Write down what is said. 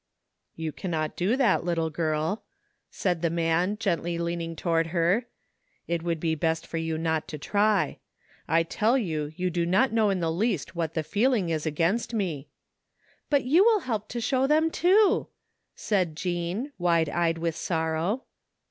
"You cannot do that, little girl," said the man, gently leaning toward her. " It would be best for you not to try. I tell you you do not know in the least what the feeling is against me ^"" But you will help to show them, too," said Jean, wide eyed with sorrow.